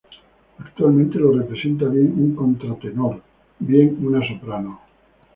Actualmente lo representa bien un contratenor, bien una soprano.